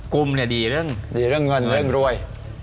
กุมเนี่ยดีเรื่องดีเรื่องเงินเรื่องรวย